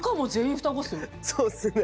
そうっすね。